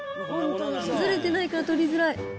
ずれてないから取りづらい。